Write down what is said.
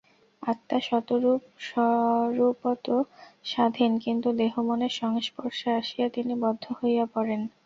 আত্মা স্বরূপত স্বাধীন, কিন্তু দেহ-মনের সংস্পর্শে আসিয়া তিনি বদ্ধ হইয়া পড়েন।